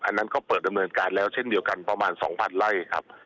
อันนั้นก็เปิดดำเนินการแล้วเช่นเดียวกันประมาณ๒๐๐ไร่ครับ